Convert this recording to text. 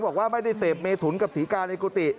บอกว่าไม่ได้เสพเมถุนกับศรีกาในกุฏิ